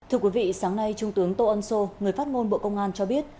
thưa quý vị sáng nay trung tướng tô ân sô người phát ngôn bộ công an cho biết